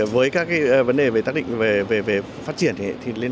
với các vấn đề về phát triển